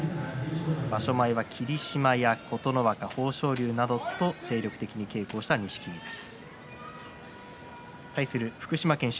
場所後は霧島や琴ノ若豊昇龍などと精力的に稽古を積んできた錦木です。